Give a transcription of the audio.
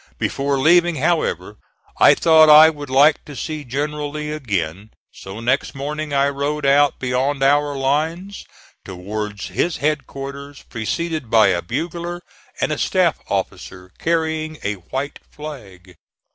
Before leaving, however, I thought I (*44) would like to see General Lee again; so next morning I rode out beyond our lines towards his headquarters, preceded by a bugler and a staff officer carrying a white flag.